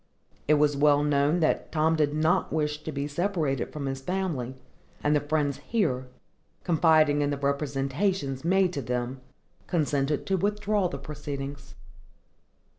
It was well known, that Tom did not wish to be separated from his family, and the friends here, confiding in the representations made to them, consented to withdraw the proceedings.